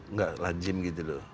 nggak lajim gitu loh